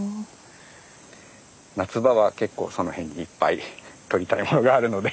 夏場は結構その辺にいっぱい撮りたいものがあるので。